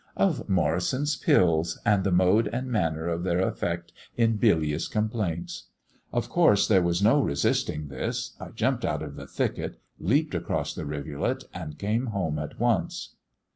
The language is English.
Of Morrison's pills, and the mode and manner of their effect in bilious complaints! Of course there was no resisting this; I jumped out of the thicket, leaped across the rivulet, and came home at once."